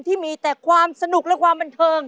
ที่มีแต่ความสนุกและความบันเทิง